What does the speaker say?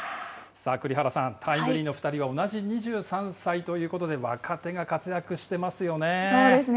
さあ、栗原さん、タイムリーの２人は同じ２３歳ということで、そうですね。